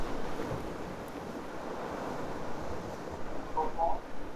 তাই বাংলাদেশের প্রত্যেক মানুষের হাতে ইন্টারনেট সেবা পৌঁছে দেওয়ারও কোনো বিকল্প নেই।